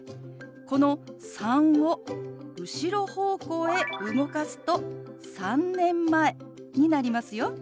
この「３」を後ろ方向へ動かすと「３年前」になりますよ。